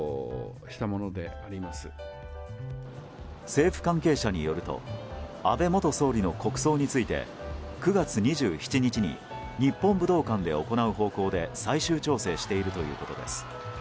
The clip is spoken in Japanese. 政府関係者によると安倍元総理の国葬について９月２７日に日本武道館で行う方向で最終調整しているということです。